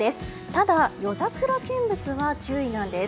ただ、夜桜見物は注意なんです。